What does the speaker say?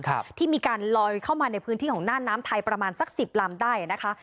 ครับที่มีการลอยเข้ามาในพื้นที่ของน่านน้ำไทยประมาณสักสิบลำได้นะคะ